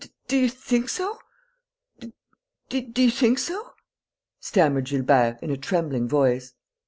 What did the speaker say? "Do you think so?... Do you think so?" stammered Gilbert, in a trembling voice.